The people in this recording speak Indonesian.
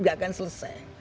ini tidak akan selesai